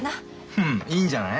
フフッいいんじゃない？